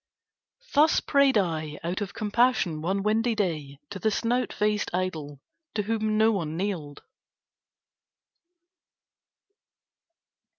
Thus prayed I out of compassion one windy day to the snout faced idol to whom no one kneeled.